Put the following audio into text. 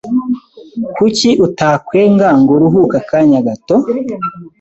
Kuki utakwega ngo uruhuke akanya gato?